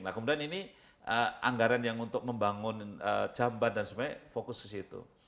nah kemudian ini anggaran yang untuk membangun jamban dan semuanya fokus ke situ